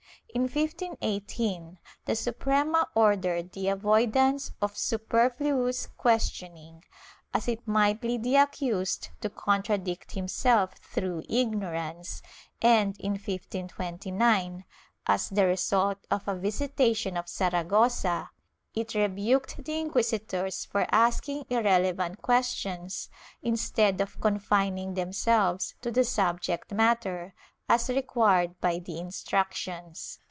In 1518 the Suprema ordered the avoidance of superfluous questioning, as it might lead the accused to contradict himself through ignorance and, in 1529, as the result of a visitation of Saragossa, it rebuked the inquisitors for asking irrelevant questions instead of confining themselves to the subject matter, as required by the Instructions.